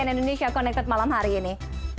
bergabung dengan cn indonesia connected malam hari ini